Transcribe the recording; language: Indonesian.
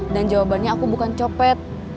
dan jawabannya aku bukan copet